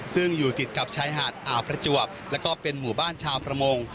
ซึ่งอยู่ติดกับชายหาดอ่าวประจวบแล้วก็เป็นหมู่บ้านชาวประมง